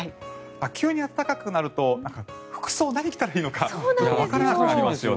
急に暖かくなると服装、何を着たらいいのかわからなくなりますよね。